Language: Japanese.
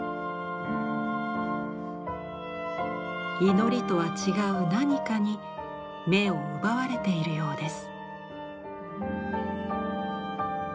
祈りとは違う何かに目を奪われているようです。